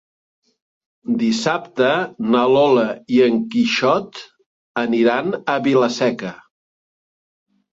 Dissabte na Lola i en Quixot aniran a Vila-seca.